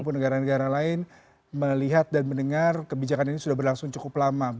negara negara lain melihat dan mendengar kebijakan ini sudah berlangsung cukup lama